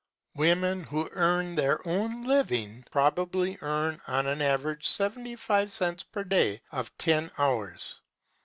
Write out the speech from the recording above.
Women who earn their own living probably earn on an average seventy five cents per day of ten hours.